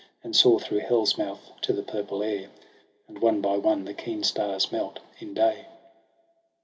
And saw through Hell's mouth to the purple air And one by one the keen stars melt in day.